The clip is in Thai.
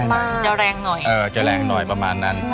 แม่บ้านประจันบัน